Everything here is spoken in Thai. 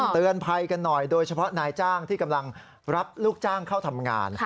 เตือนภัยกันหน่อยโดยเฉพาะนายจ้างที่กำลังรับลูกจ้างเข้าทำงาน